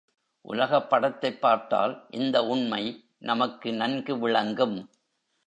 உலகப் படத்தைப் பார்த்தால் இந்த உண்மை நமக்கு நன்கு விளங்கும்.